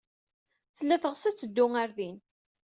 Tella teɣs ad teddu ɣer din.